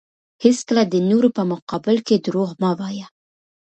هیڅکله د نورو په مقابل کې دروغ مه وایه.